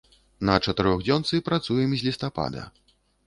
На чатырохдзёнцы працуем з лістапада.